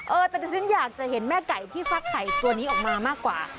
เออแต่ดิฉันอยากจะเห็นแม่ไก่ที่ฟักไข่ตัวนี้ออกมามากกว่า